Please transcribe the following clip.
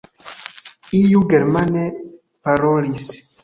Iu germane parolis.